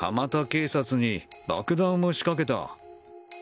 警察に爆弾を仕掛けた。